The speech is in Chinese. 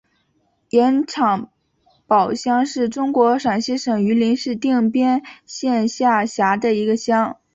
盐场堡乡是中国陕西省榆林市定边县下辖的一个乡。